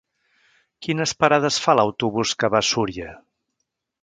Quines parades fa l'autobús que va a Súria?